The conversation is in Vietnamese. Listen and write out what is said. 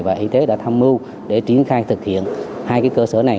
và y tế đã tham mưu để triển khai thực hiện hai cơ sở này